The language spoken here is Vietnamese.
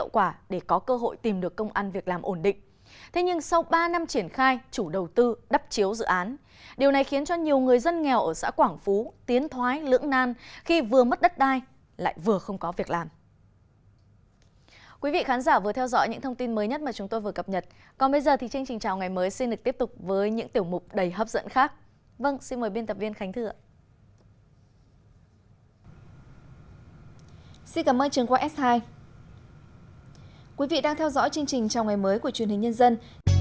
quý vị đang theo dõi chương trình trong ngày mới của truyền hình nhân dân